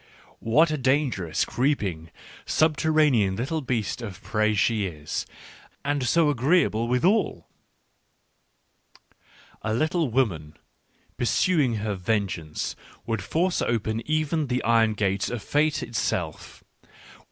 what a dangerous, creeping, subterranean little beast of prey she is! And so agreeable withal! ... A little woman, pursuing her vengeance, would force open even the iron gates of Fate itself.